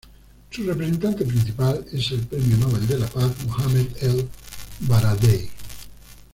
Su representante principal es el premio Nobel de la paz, Mohamed el-Baradei.